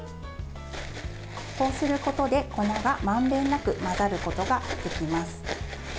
こうすることで粉がまんべんなく混ざることができます。